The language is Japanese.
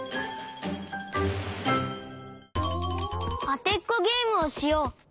あてっこゲームをしよう。